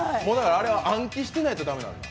あれは暗記してないと駄目なんですか。